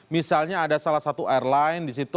misalnya ada salah satu airline di situ